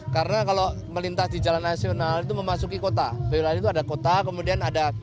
karena kalau melintas di jalan nasional itu memasuki kota boyolali itu ada kota kemudian ada kota